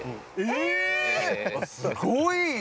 えすごい！